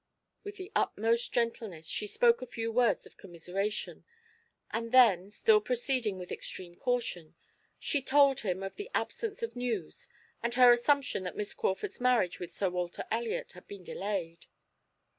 With the utmost gentleness she spoke a few words of commiseration, and then, still proceeding with extreme caution, she told him of the absence of news and her assumption that Miss Crawford's marriage with Sir Walter Elliot had been delayed.